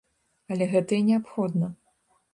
Але гэта і неабходна.